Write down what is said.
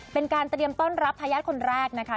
เป็นการเตรียมต้อนรับทายาทคนแรกนะคะ